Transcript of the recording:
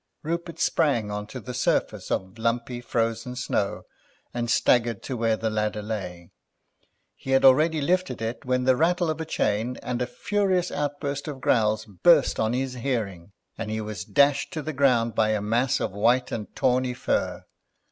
Rupert sprang on to the surface of lumpy, frozen snow, and staggered to where the ladder lay. He had already lifted it when the rattle of a chain and a furious outburst of growls burst on his hearing, and he was dashed to the ground by a mass of white and tawny fur.